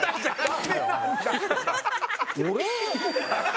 俺？